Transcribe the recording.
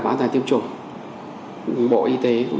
phải làm việc trực tuyến hai mươi bốn trên bảy